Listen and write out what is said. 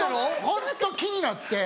ホント気になって。